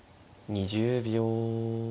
２０秒。